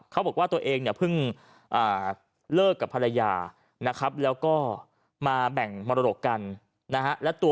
เขาบอกว่าตัวเองเนี่ยเพิ่งเลิกกับภรรยานะครับแล้วก็มาแบ่งมรดกกันนะฮะ